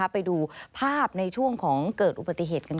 ไปดูภาพในช่วงของเกิดอุบัติเหตุกัน